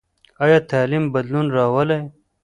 ایا تعلیم بدلون راولي؟